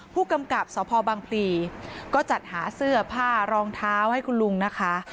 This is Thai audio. ผู้กำกับสพบังพลีก็จัดหาเสื้อผ้ารองเท้าให้คุณลุงนะคะ